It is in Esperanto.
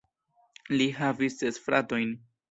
Li havis ses fratojn.